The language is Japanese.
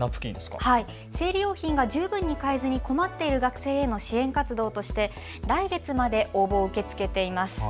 生理用品が十分に買えずに困っている学生へ支援活動として来月まで応募を受け付けています。